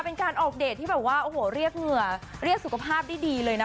เป็นการออกเดทที่แบบว่าโอ้โหเรียกเหงื่อเรียกสุขภาพได้ดีเลยนะ